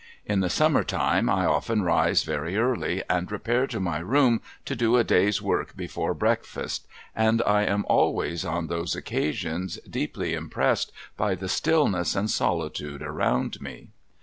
In the summer time, I often rise very early, and repair to my room to do a day's work before breakfast, and I am always on those occasions deeply im pressed by the stillness and solitude around me.